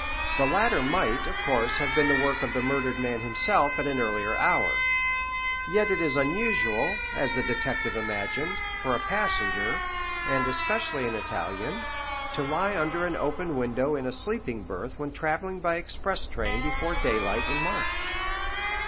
The latter might, of course, have been the work of the murdered man himself at an earlier hour. Yet it is unusual, as the detective imagined, for a passenger, and especially an Italian, to lie under an open window in a sleeping berth when travelling by express train before daylight in March.